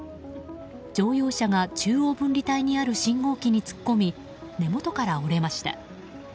乗用車が中央分離帯にある信号機に突っ込み根元から折れました。